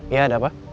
ya ada apa